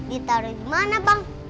ditaruh dimana bang